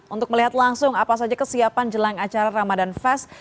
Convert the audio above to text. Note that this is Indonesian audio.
untuk melihat langsung apa saja kesiapan jelang acara ramadan fest